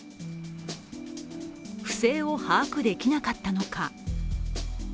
不正を把握できなかったのか？